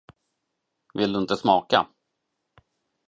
Vill du inte smaka?